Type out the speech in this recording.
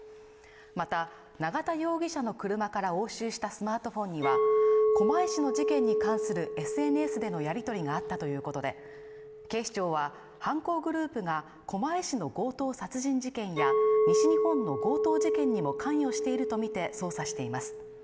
また永田容疑者の車から押収したスマートフォンには狛江市の事件に関するＳＮＳでのやり取りがあったということで警視庁は犯行グループが狛江市の強盗殺人事件や西日本の強盗事件にも関与しているとみて捜査しています